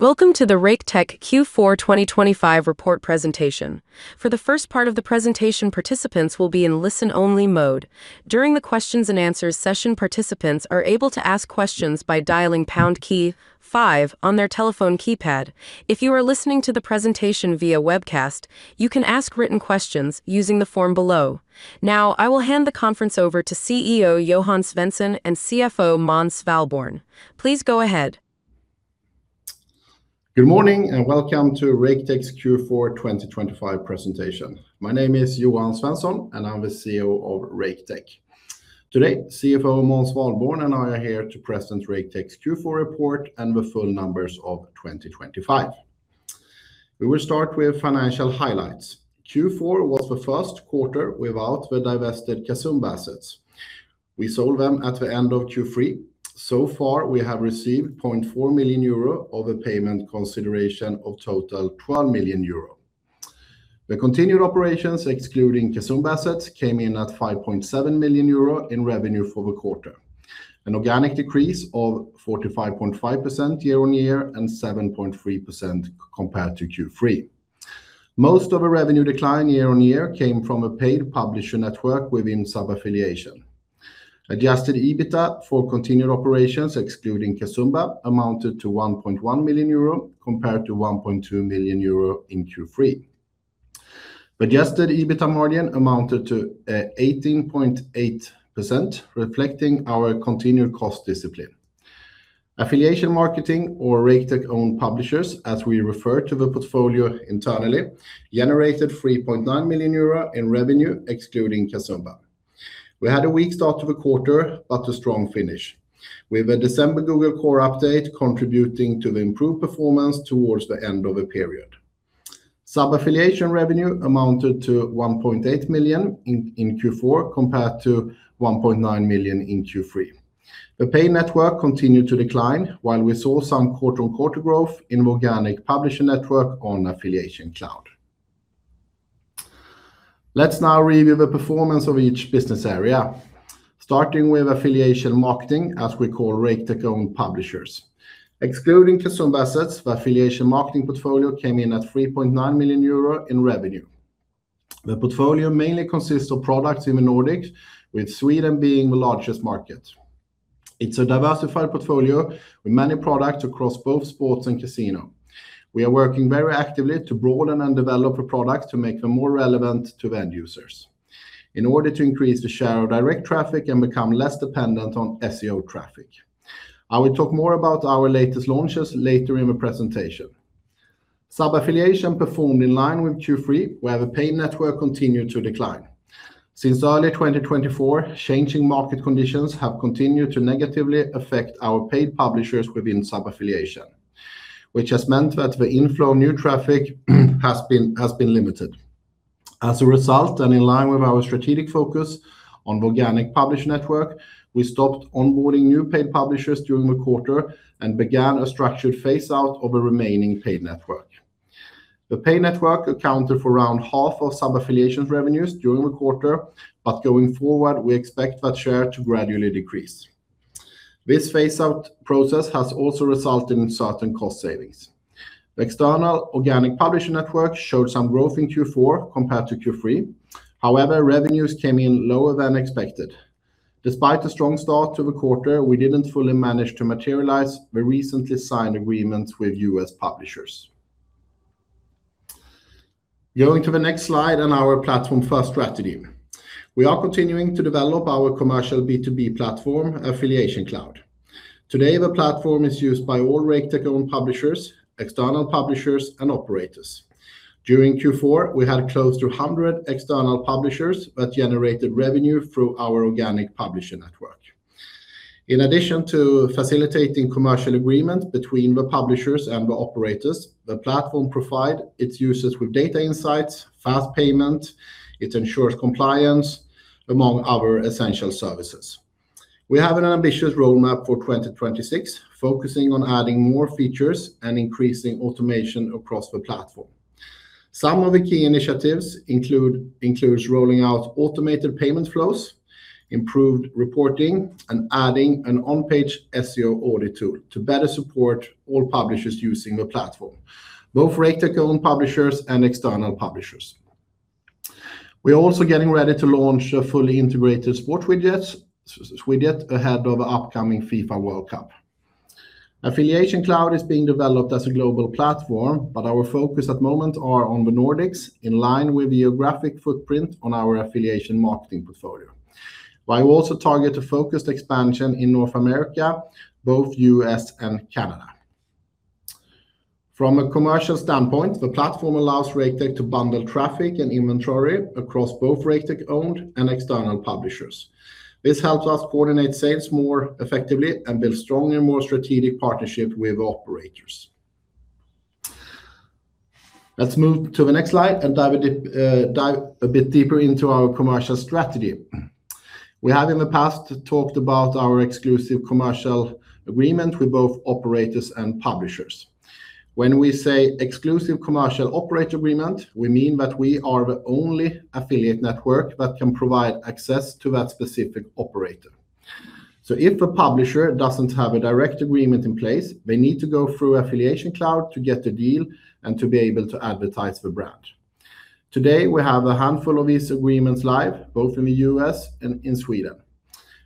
Welcome to the Raketech Q4 2025 Report Presentation. For the first part of the presentation, participants will be in listen-only mode. During the questions and answers session, participants are able to ask questions by dialing pound key five on their telephone keypad. If you are listening to the presentation via webcast, you can ask written questions using the form below. Now, I will hand the conference over to CEO Johan Svensson and CFO Måns Svalborn. Please go ahead. Good morning, and welcome to Raketech's Q4 2025 presentation. My name is Johan Svensson, and I'm the CEO of Raketech. Today, CFO Måns Svalborn and I are here to present Raketech's Q4 report and the full numbers of 2025. We will start with financial highlights. Q4 was the first quarter without the divested Casumba assets. We sold them at the end of Q3. So far, we have received 0.4 million euro of a payment consideration of total 12 million euro. The continued operations, excluding Casumba assets, came in at 5.7 million euro in revenue for the quarter, an organic decrease of 45.5% year-on-year and 7.3% compared to Q3. Most of the revenue decline year-on-year came from a paid publisher network within sub-affiliation. Adjusted EBITDA for continued operations, excluding Casumba, amounted to 1.1 million euros, compared to 1.2 million euros in Q3. Adjusted EBITDA margin amounted to 18.8%, reflecting our continued cost discipline. Affiliation marketing or Raketech-owned publishers, as we refer to the portfolio internally, generated 3.9 million euro in revenue, excluding Casumba. We had a weak start to the quarter, but a strong finish, with the December Google Core Update contributing to the improved performance towards the end of the period. Sub-affiliation revenue amounted to 1.8 million in Q4, compared to 1.9 million in Q3. The paid network continued to decline, while we saw some quarter-on-quarter growth in organic publisher network on AffiliationCloud. Let's now review the performance of each business area, starting with affiliation marketing, as we call Raketech-owned publishers. Excluding Casumba assets, the affiliation marketing portfolio came in at 3.9 million euro in revenue. The portfolio mainly consists of products in the Nordics, with Sweden being the largest market. It's a diversified portfolio with many products across both sports and casino. We are working very actively to broaden and develop the products to make them more relevant to the end users in order to increase the share of direct traffic and become less dependent on SEO traffic. I will talk more about our latest launches later in the presentation. Sub-affiliation performed in line with Q3, where the paid network continued to decline. Since early 2024, changing market conditions have continued to negatively affect our paid publishers within sub-affiliation, which has meant that the inflow of new traffic has been limited. As a result, and in line with our strategic focus on Organic Publisher Network, we stopped onboarding new paid publishers during the quarter and began a structured phase-out of the remaining paid network. The paid network accounted for around half of Sub-affiliation revenues during the quarter, but going forward, we expect that share to gradually decrease. This phase-out process has also resulted in certain cost savings. The external Organic Publisher Network showed some growth in Q4 compared to Q3. However, revenues came in lower than expected. Despite the strong start to the quarter, we didn't fully manage to materialize the recently signed agreement with U.S. publishers. Going to the next slide on our platform-first strategy. We are continuing to develop our commercial B2B platform, AffiliationCloud. Today, the platform is used by all Raketech-owned publishers, external publishers, and operators. During Q4, we had close to 100 external publishers that generated revenue through our Organic Publisher Network. In addition to facilitating commercial agreements between the publishers and the operators, the platform provide its users with data insights, fast payment, it ensures compliance, among other essential services. We have an ambitious roadmap for 2026, focusing on adding more features and increasing automation across the platform. Some of the key initiatives includes rolling out automated payment flows, improved reporting, and adding an on-page SEO audit tool to better support all publishers using the platform, both Raketech-owned publishers and external publishers. We are also getting ready to launch a fully integrated sport widget ahead of the upcoming FIFA World Cup. AffiliationCloud is being developed as a global platform, but our focus at the moment are on the Nordics, in line with the geographic footprint on our affiliation marketing portfolio, while we also target a focused expansion in North America, both U.S. and Canada. From a commercial standpoint, the platform allows Raketech to bundle traffic and inventory across both Raketech-owned and external publishers. This helps us coordinate sales more effectively and build stronger, more strategic partnerships with operators. Let's move to the next slide and dive a bit deeper into our commercial strategy. We have in the past talked about our exclusive commercial agreement with both operators and publishers. When we say exclusive commercial operator agreement, we mean that we are the only affiliate network that can provide access to that specific operator. So if a publisher doesn't have a direct agreement in place, they need to go through AffiliationCloud to get the deal and to be able to advertise the brand. Today, we have a handful of these agreements live, both in the U.S. and in Sweden,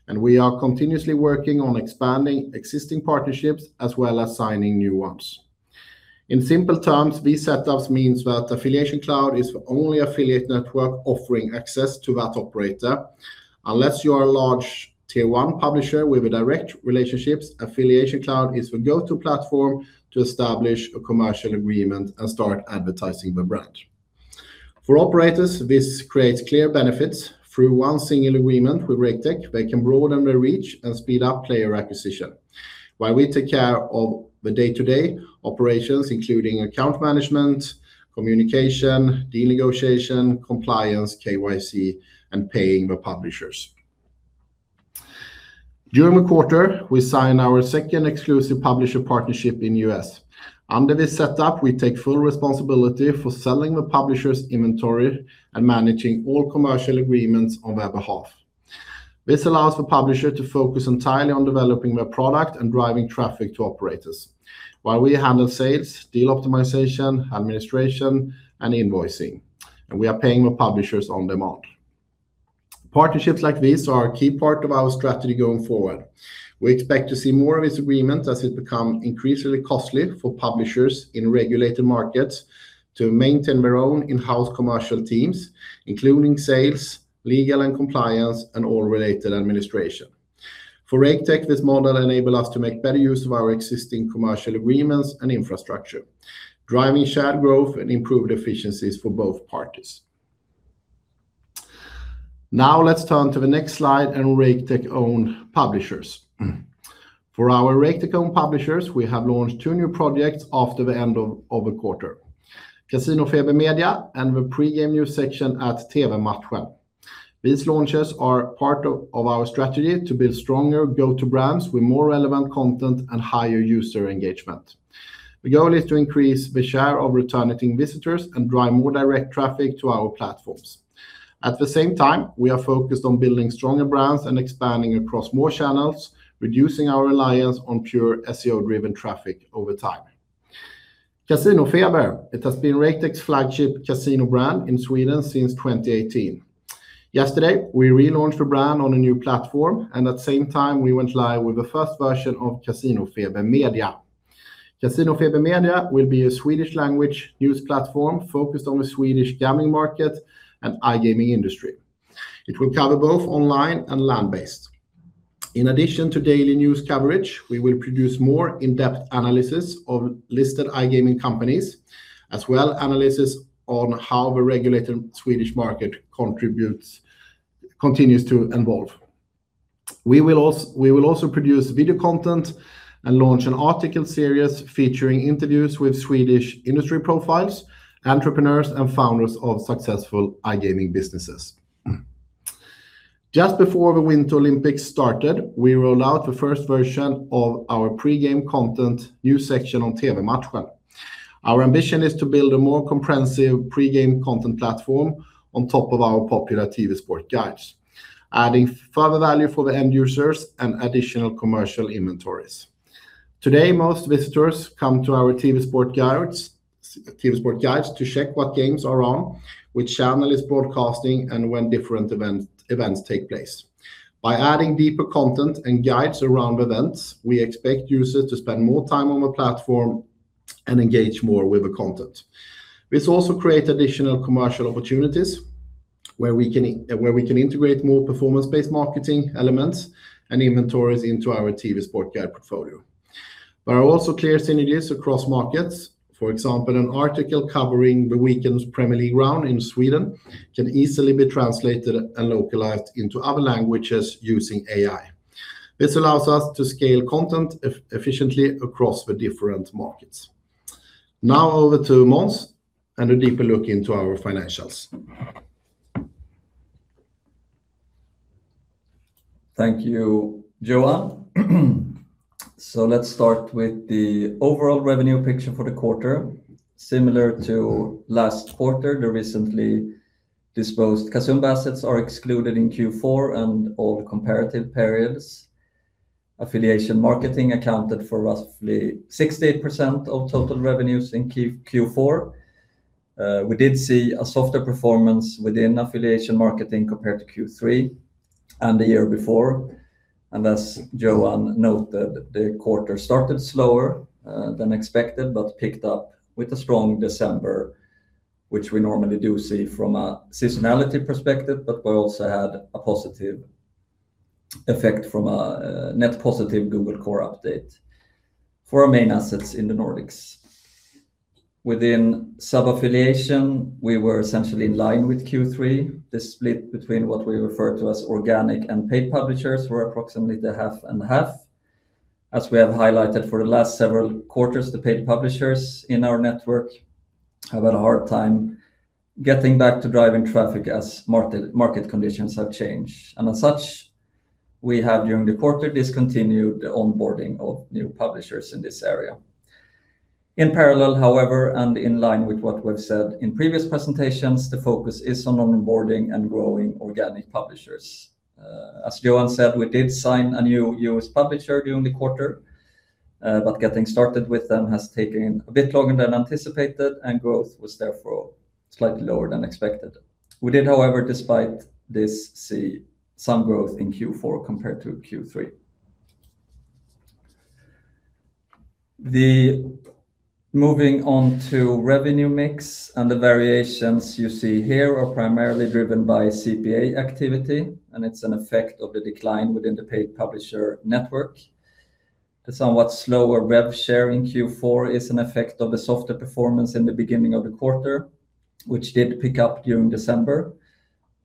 and we are continuously working on expanding existing partnerships as well as signing new ones. In simple terms, these setups means that AffiliationCloud is the only affiliate network offering access to that operator. Unless you are a large Tier 1 Publisher with direct relationships, AffiliationCloud is the go-to platform to establish a commercial agreement and start advertising the brand. For operators, this creates clear benefits. Through one single agreement with Raketech, they can broaden their reach and speed up player acquisition, while we take care of the day-to-day operations, including account management, communication, deal negotiation, compliance, KYC, and paying the publishers. During the quarter, we signed our second exclusive publisher partnership in U.S. Under this setup, we take full responsibility for selling the publisher's inventory and managing all commercial agreements on their behalf. This allows the publisher to focus entirely on developing their product and driving traffic to operators, while we handle sales, deal optimization, administration, and invoicing, and we are paying the publishers on demand. Partnerships like these are a key part of our strategy going forward. We expect to see more of these agreements as it become increasingly costly for publishers in regulated markets to maintain their own in-house commercial teams, including sales, legal and compliance, and all related administration. For Raketech, this model enable us to make better use of our existing commercial agreements and infrastructure, driving shared growth and improved efficiencies for both parties. Now, let's turn to the next slide, and Raketech-owned publishers. For our Raketech-owned publishers, we have launched two new projects after the end of the quarter: CasinoFeber Media and the pre-game news section at TVmatchen. These launches are part of our strategy to build stronger go-to brands with more relevant content and higher user engagement. The goal is to increase the share of returning visitors and drive more direct traffic to our platforms. At the same time, we are focused on building stronger brands and expanding across more channels, reducing our reliance on pure SEO-driven traffic over time. CasinoFeber, it has been Raketech's flagship casino brand in Sweden since 2018. Yesterday, we relaunched the brand on a new platform, and at the same time, we went live with the first version of CasinoFeber Media. CasinoFeber Media will be a Swedish language news platform focused on the Swedish gaming market and iGaming industry. It will cover both online and land-based. In addition to daily news coverage, we will produce more in-depth analysis of listed iGaming companies, as well as analysis on how the regulated Swedish market continues to evolve. We will also produce video content and launch an article series featuring interviews with Swedish industry profiles, entrepreneurs, and founders of successful iGaming businesses. Just before the Winter Olympics started, we rolled out the first version of our pre-game content news section on TVmatchen. Our ambition is to build a more comprehensive pre-game content platform on top of our popular TV sport guides, adding further value for the end users and additional commercial inventories. Today, most visitors come to our TV sport guides to check what games are on, which channel is broadcasting, and when different events take place. By adding deeper content and guides around events, we expect users to spend more time on the platform and engage more with the content. This also create additional commercial opportunities where we can, where we can integrate more performance-based marketing elements and inventories into our TV sport guide portfolio. There are also clear synergies across markets. For example, an article covering the weekend's Premier League round in Sweden can easily be translated and localized into other languages using AI. This allows us to scale content efficiently across the different markets. Now, over to Måns and a deeper look into our financials. Thank you, Johan. So let's start with the overall revenue picture for the quarter. Similar to last quarter, the recently disposed Casumba assets are excluded in Q4 and all comparative periods. Affiliation marketing accounted for roughly 68% of total revenues in Q4. We did see a softer performance within affiliation marketing compared to Q3 and the year before. And as Johan noted, the quarter started slower than expected, but picked up with a strong December, which we normally do see from a seasonality perspective, but we also had a positive effect from a net positive Google Core Update for our main assets in the Nordics. Within sub-affiliation, we were essentially in line with Q3. The split between what we refer to as organic and paid publishers were approximately 50/50. As we have highlighted for the last several quarters, the paid publishers in our network have had a hard time getting back to driving traffic as market conditions have changed. As such, we have, during the quarter, discontinued the onboarding of new publishers in this area. In parallel, however, and in line with what we've said in previous presentations, the focus is on onboarding and growing organic publishers. As Johan said, we did sign a new U.S. publisher during the quarter, but getting started with them has taken a bit longer than anticipated, and growth was therefore slightly lower than expected. We did, however, despite this, see some growth in Q4 compared to Q3. Moving on to revenue mix, and the variations you see here are primarily driven by CPA activity, and it's an effect of the decline within the paid publisher network. The somewhat slower rev share in Q4 is an effect of the softer performance in the beginning of the quarter, which did pick up during December.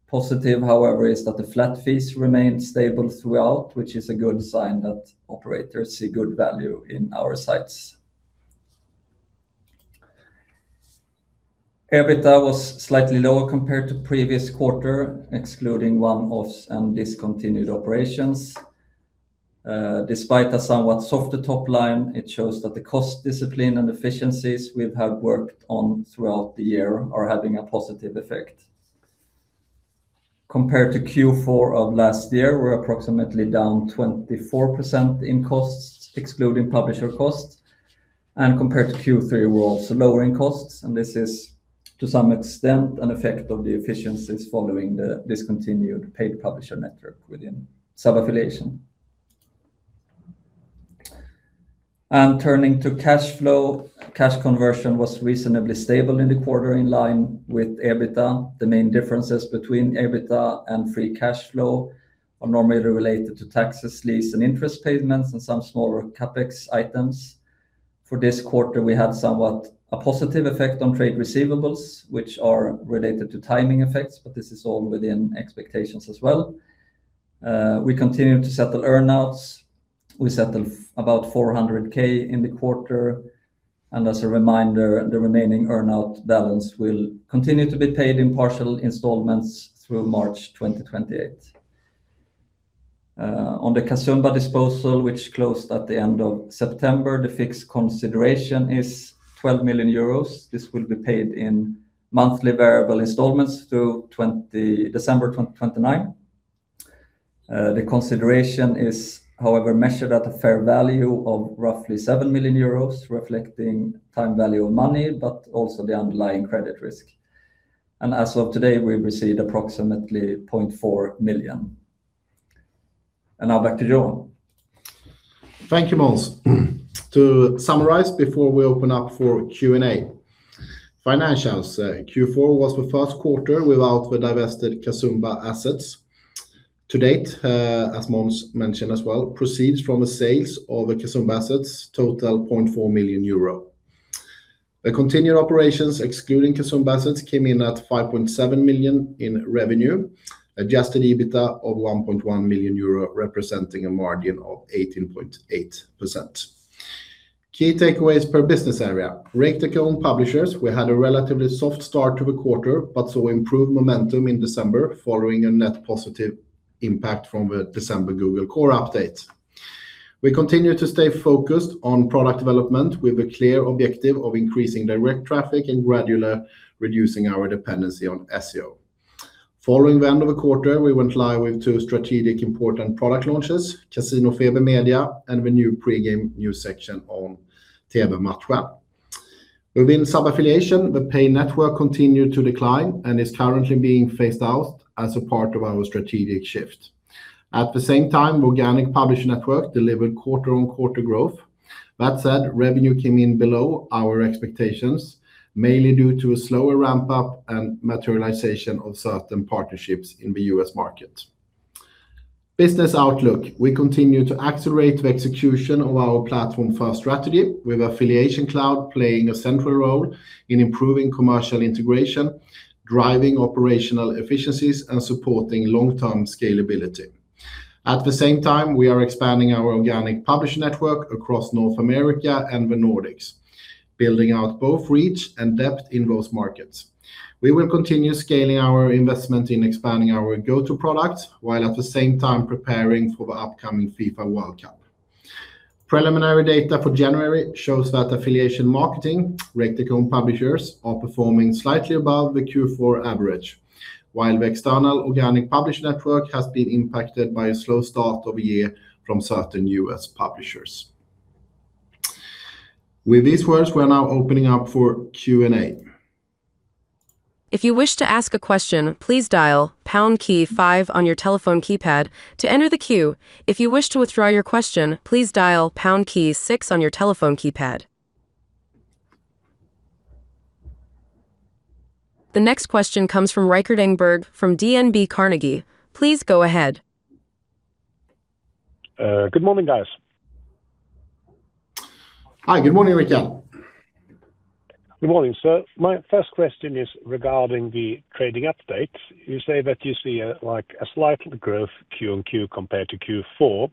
Positive, however, is that the flat fees remained stable throughout, which is a good sign that operators see good value in our sites. EBITDA was slightly lower compared to previous quarter, excluding one-offs and discontinued operations. Despite a somewhat softer top line, it shows that the cost discipline and efficiencies we have worked on throughout the year are having a positive effect. Compared to Q4 of last year, we're approximately down 24% in costs, excluding publisher costs, and compared to Q3, we're also lowering costs, and this is, to some extent, an effect of the efficiencies following the discontinued paid publisher network within sub-affiliation. And turning to cash flow, cash conversion was reasonably stable in the quarter in line with EBITDA. The main differences between EBITDA and free cash flow are normally related to taxes, lease, and interest payments and some smaller CapEx items. For this quarter, we had somewhat a positive effect on trade receivables, which are related to timing effects, but this is all within expectations as well. We continue to settle earn-outs. We settled about 400,000 in the quarter, and as a reminder, the remaining earn-out balance will continue to be paid in partial installments through March 2028. On the Casumba disposal, which closed at the end of September, the fixed consideration is 12 million euros. This will be paid in monthly variable installments through December 2029. The consideration is, however, measured at a fair value of roughly 7 million euros, reflecting time value of money, but also the underlying credit risk. And as of today, we've received approximately 0.4 million. Now back to Johan. Thank you, Måns. To summarize, before we open up for Q&A, financials, Q4 was the first quarter without the divested Casumba assets. To date, as Måns mentioned as well, proceeds from the sales of the Casumba assets total 0.4 million euro. The continued operations, excluding Casumba assets, came in at 5.7 million in revenue, adjusted EBITDA of 1.1 million euro, representing a margin of 18.8%. Key takeaways per business area. Raketech-owned publishers, we had a relatively soft start to the quarter, but saw improved momentum in December, following a net positive impact from the December Google Core Update. We continue to stay focused on product development with a clear objective of increasing direct traffic and gradually reducing our dependency on SEO. Following the end of the quarter, we went live with two strategic important product launches, CasinoFeber Media and the new pre-game news section on TVmatchen. Within Sub-affiliation, the pay network continued to decline and is currently being phased out as a part of our strategic shift. At the same time, Organic Publisher Network delivered quarter-on-quarter growth. That said, revenue came in below our expectations, mainly due to a slower ramp-up and materialization of certain partnerships in the U.S. market. Business outlook. We continue to accelerate the execution of our platform-first strategy, with AffiliationCloud playing a central role in improving commercial integration, driving operational efficiencies, and supporting long-term scalability. At the same time, we are expanding our Organic Publisher Network across North America and the Nordics, building out both reach and depth in those markets. We will continue scaling our investment in expanding our go-to products, while at the same time preparing for the upcoming FIFA World Cup. Preliminary data for January shows that affiliation marketing, Raketech own publishers, are performing slightly above the Q4 average, while the external organic publisher network has been impacted by a slow start of the year from certain U.S. publishers. With these words, we're now opening up for Q&A. If you wish to ask a question, please dial pound key five on your telephone keypad to enter the queue. If you wish to withdraw your question, please dial pound key six on your telephone keypad. The next question comes from Rikard Engberg from DNB Carnegie. Please go ahead. Good morning, guys. Hi, good morning, Rikard. Good morning. So my first question is regarding the trading update. You say that you see a, like, a slight growth Q-on-Q compared to Q4.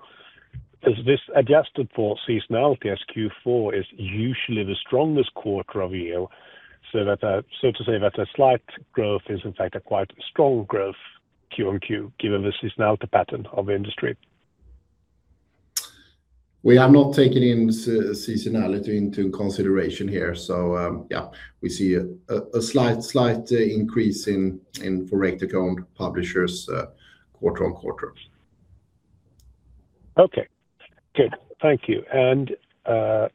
Is this adjusted for seasonality, as Q4 is usually the strongest quarter of the year? So that, so to say that a slight growth is in fact a quite strong growth Q-on-Q, given the seasonality pattern of the industry? We have not taken seasonality into consideration here. So, yeah, we see a slight increase in Tier 1 publishers, quarter-on-quarter. Okay, good. Thank you. And,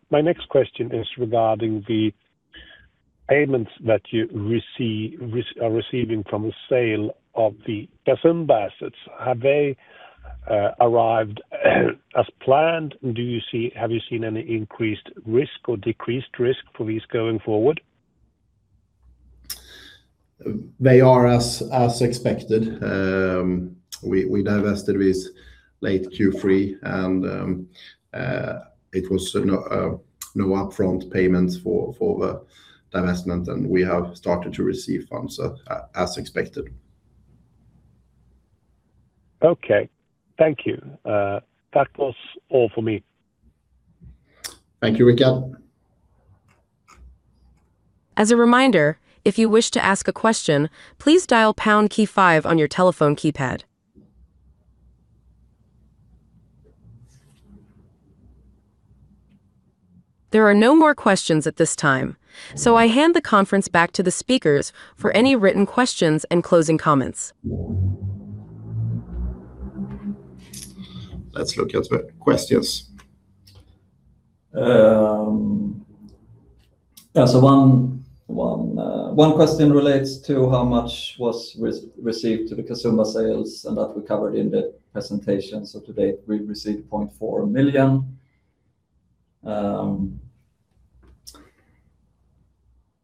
my next question is regarding the payments that you are receiving from the sale of the Casumba assets. Have they arrived as planned? Have you seen any increased risk or decreased risk for these going forward? They are as expected. We divested this late Q3, and it was no upfront payments for the divestment, and we have started to receive funds, as expected. Okay. Thank you. That was all for me. Thank you, Rikard. As a reminder, if you wish to ask a question, please dial pound key five on your telephone keypad. There are no more questions at this time, so I hand the conference back to the speakers for any written questions and closing comments. Let's look at the questions. Yeah, so one question relates to how much was received from the Casumba sales, and that we covered in the presentation. So to date, we've received EUR 0.4 million.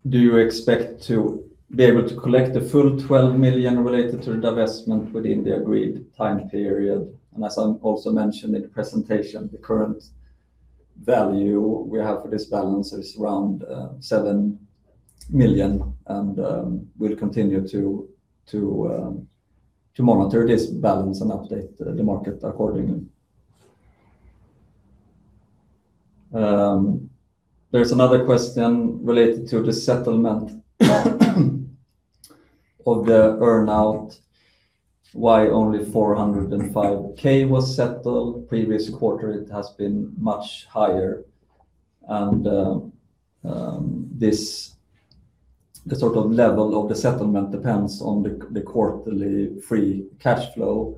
Do you expect to be able to collect the full 12 million related to the divestment within the agreed time period? And as I also mentioned in the presentation, the current value we have for this balance is around 7 million, and we'll continue to monitor this balance and update the market accordingly. There's another question related to the settlement of the earn-out. Why only 405,000 was settled? Previous quarter, it has been much higher. The sort of level of the settlement depends on the quarterly free cash flow,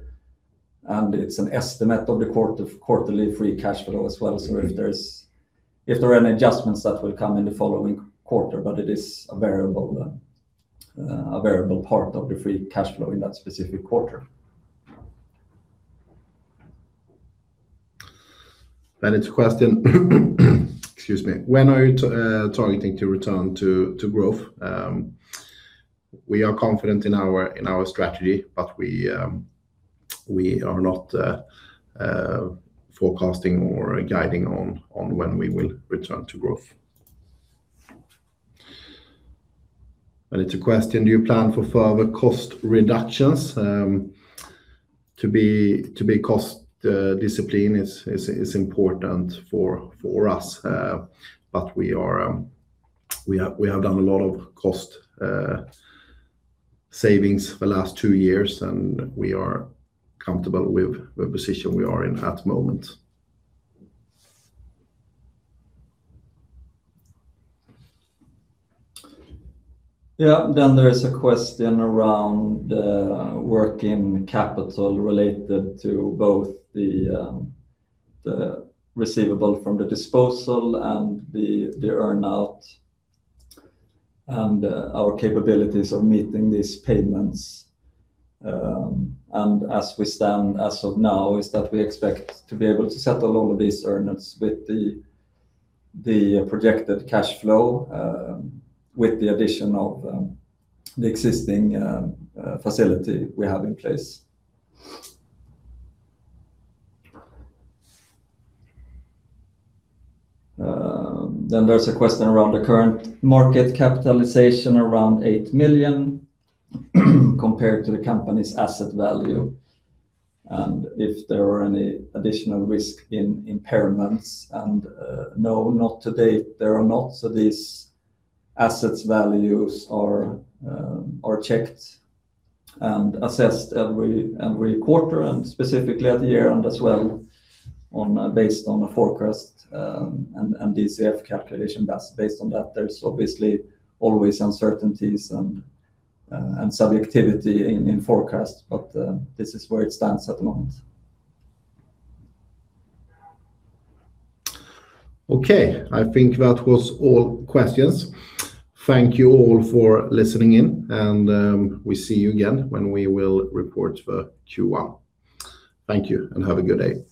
and it's an estimate of the quarterly free cash flow as well. So if there are any adjustments, that will come in the following quarter, but it is a variable part of the free cash flow in that specific quarter. It's a question, excuse me, when are you targeting to return to growth? We are confident in our strategy, but we are not forecasting or guiding on when we will return to growth. It's a question: Do you plan for further cost reductions? To be cost discipline is important for us, but we have done a lot of cost savings the last two years, and we are comfortable with the position we are in at the moment. Yeah. Then there is a question around working capital related to both the receivable from the disposal and the earn-out, and our capabilities of meeting these payments. And as we stand, as of now, is that we expect to be able to settle all of these earn-outs with the projected cash flow, with the addition of the existing facility we have in place. Then there's a question around the current market capitalization, around 8 million, compared to the company's asset value, and if there are any additional risk in impairments. And no, not to date, there are not. So these assets values are checked and assessed every quarter, and specifically at the year-end as well, based on a forecast, and DCF calculation that's based on that. There's obviously always uncertainties and subjectivity in forecast, but this is where it stands at the moment. Okay, I think that was all questions. Thank you all for listening in, and we see you again when we will report for Q1. Thank you, and have a good day.